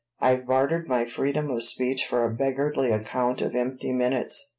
I've bartered my freedom of speech for a beggarly account of empty minutes.